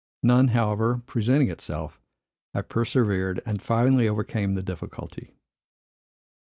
None, however, presenting itself, I persevered, and finally overcame the difficulty.